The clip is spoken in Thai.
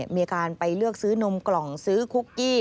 มีการไปเลือกซื้อนมกล่องซื้อคุกกี้